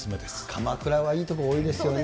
鎌倉はいいとこ多いですよね。